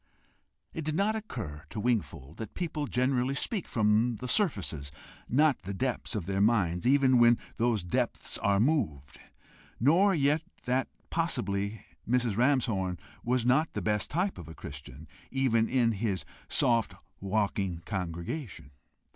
It did not occur to Wingfold that people generally speak from the surfaces, not the depths of their minds, even when those depths are moved; nor yet that possibly Mrs. Ramshorn was not the best type of a Christian, even in his soft walking congregation!